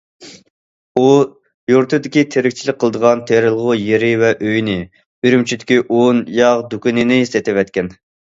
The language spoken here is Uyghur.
ئۇ يۇرتىدىكى تىرىكچىلىك قىلىدىغان تېرىلغۇ يېرى ۋە ئۆيىنى، ئۈرۈمچىدىكى ئۇن، ياغ دۇكىنىنى سېتىۋەتكەن.